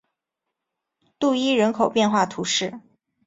杜伊人口变化图示